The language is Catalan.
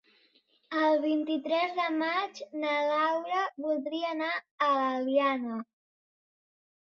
El vint-i-tres de maig na Laura voldria anar a l'Eliana.